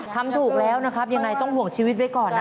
ทำถูกแล้วนะครับยังไงต้องห่วงชีวิตไว้ก่อนนะ